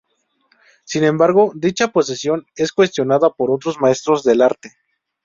Sin embargo dicha posición es cuestionada por otros maestros del arte.